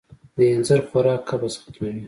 د اینځر خوراک قبض ختموي.